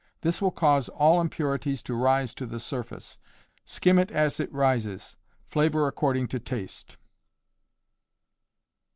This will cause all impurities to rise to the surface; skim it as it rises. Flavor according to taste.